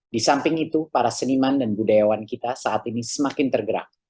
di samping itu para seniman dan budayawan kita saat ini semakin tergerak